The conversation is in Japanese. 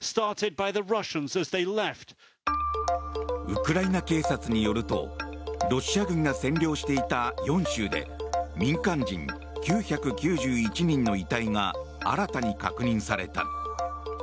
ウクライナ警察によるとロシア軍が占領していた４州で民間人９９１人の遺体が新たに確認された。